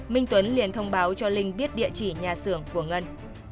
minh tuấn liền thông báo cho linh biết địa chỉ nhà xưởng của ngân